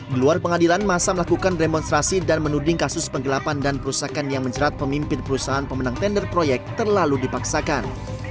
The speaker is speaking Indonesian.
di luar pengadilan masa melakukan demonstrasi dan menuding kasus penggelapan dan perusakan yang menjerat pemimpin perusahaan pemenang tender proyek terlalu dipaksakan